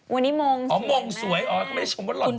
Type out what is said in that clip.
วันนี้มงสวยนะอ๋อมงสวยอ๋อก็ไม่ได้ชมว่าหลอนสวย